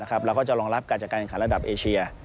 เราก็จะรองรับการจัดการแข่งขันระดับเอเชีย